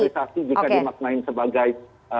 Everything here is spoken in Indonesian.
polarisasi jika dimaknain sebagai